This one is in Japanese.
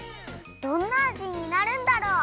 どんなあじになるんだろう？